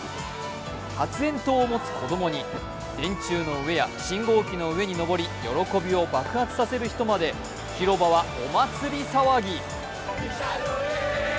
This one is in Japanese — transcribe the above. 発煙筒を持つ子供に電柱の上や信号機の上に登り喜びを爆発させる人まで広場はお祭り騒ぎ。